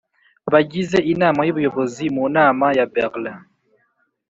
bagize Inama y Ubuyobozi mu nama yaberlin